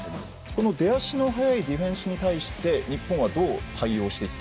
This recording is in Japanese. この出足の速いディフェンスに対して日本はどう対応していったら？